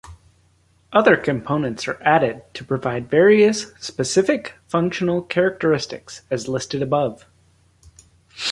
Other components are added to provide various specific functional characteristics as listed above.